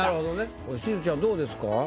どうですか？